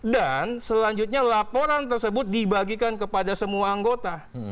dan selanjutnya laporan tersebut dibagikan kepada semua anggota